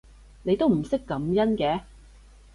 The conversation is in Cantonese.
你都唔識感恩嘅